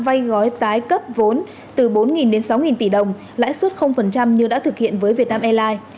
vay gói tái cấp vốn từ bốn đến sáu tỷ đồng lãi suất như đã thực hiện với việt nam airlines